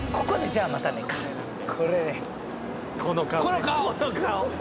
ここで「じゃあまたね」かこの顔！